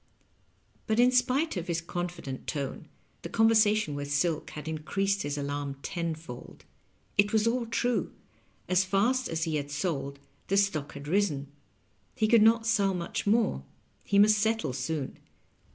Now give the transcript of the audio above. But, in spite of his confident tone, the conversation with Silk had increased his alarm tenfold. It was aU true : as fast as he had sold, the stock had risen ; he could not sell much more; he must settle soon.